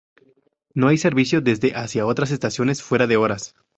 No hay servicio desde y hacia otras estaciones fuera de horas.